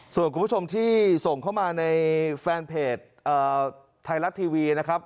ส่วนคุณผู้ชมที่ส่งเข้ามาในแฟนเพจไทยรัฐทีวีนะครับ